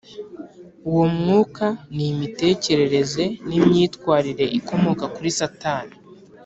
Uwo mwuka ni imitekerereze n imyitwarire ikomoka kuri Satani